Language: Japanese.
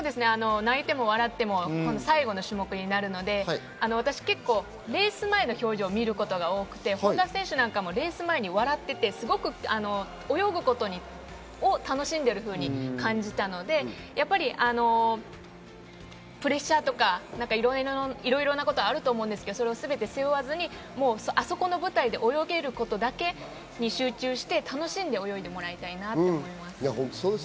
泣いても笑っても最後の種目になるので、私、結構レース前の表情を見ることが多くて、本多選手なんかもレース前に笑っていて、泳ぐことを笑っていて楽しんでいるふうに感じたので、プレッシャーとか、いろいろなことあると思うんですけど、それをすべて背負わずにあそこの舞台で泳げることだけに集中して楽しんで泳いでもらいたいなと思います。